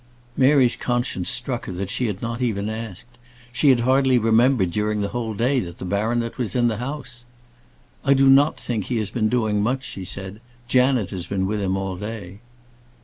Mary's conscience struck her that she had not even asked. She had hardly remembered, during the whole day, that the baronet was in the house. "I do not think he has been doing much," she said. "Janet has been with him all day."